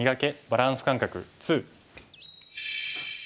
バランス感覚２」。